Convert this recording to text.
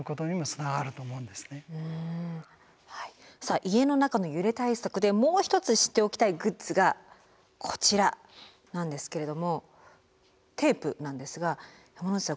さあ家の中の揺れ対策でもう一つ知っておきたいグッズがこちらなんですけれどもテープなんですが山之内さん